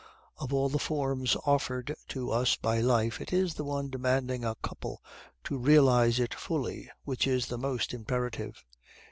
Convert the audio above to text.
Of all the forms offered to us by life it is the one demanding a couple to realize it fully, which is the most imperative.